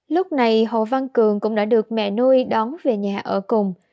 lúc này hồ văn cường cũng đã được mẹ nuôi đón về nhà ở cùng